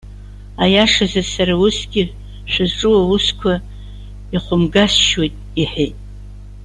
Аиашазы сара усгьы, шәызҿу аусқәа ихәымгасшьоит!- иҳәеит.